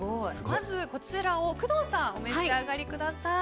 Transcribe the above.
まずこちら、工藤さんお召し上がりください。